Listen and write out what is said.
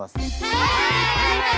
はい！